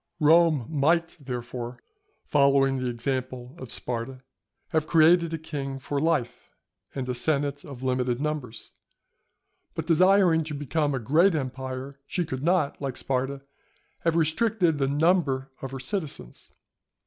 Rome might, therefore, following the example of Sparta, have created a king for life and a senate of limited numbers, but desiring to become a great empire, she could not, like Sparta, have restricted the number of her citizens.